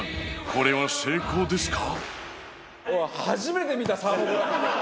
これは成功ですか？